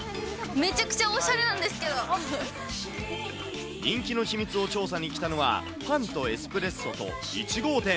めちゃくちゃおしゃれなんですけ人気の秘密を調査に来たのは、パンとエスプレッソと１号店。